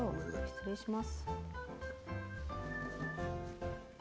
失礼します。